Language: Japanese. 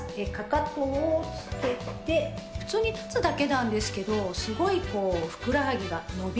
かかとを着けて普通に立つだけなんですけどすごいこうふくらはぎが伸びるんですよね。